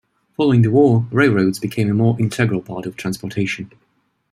Following the war, railroads became a more integral part of transportation.